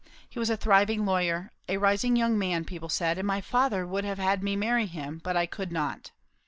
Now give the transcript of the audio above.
He was a thriving lawyer; a rising young man, people said; and my father would have had me marry him; but I could not.